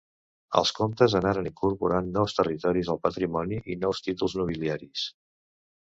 Els comtes anaren incorporant nous territoris al patrimoni i nous títols nobiliaris.